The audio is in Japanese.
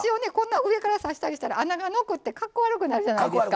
上から刺したりしたら穴が残ってかっこ悪くなるじゃないですか。